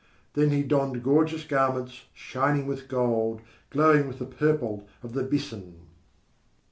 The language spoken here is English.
Then he donned gorgeous garments, shining with gold, glowing with the purple of the byssin.